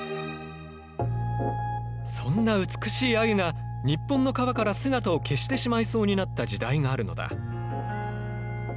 そんな美しいアユが日本の川から姿を消してしまいそうになった時代があるのだ。